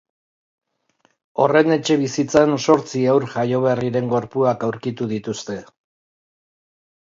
Horren etxebizitzan zortzi haur jaioberriren gorpuak aurkitu dituzte.